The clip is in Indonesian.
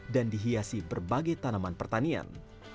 dan dihiasi berbagai tanaman pertanian